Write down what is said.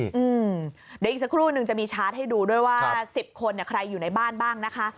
เดี๋ยวอีกสักครู่นึงจะมีชาร์จให้ดูด้วยว่า๑๐คนใครอยู่ในบ้านบ้างนะคะ